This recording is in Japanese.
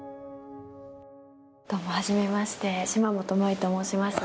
どうも初めまして島本真衣と申します。